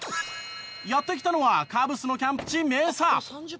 やって来たのはカブスのキャンプ地メサ。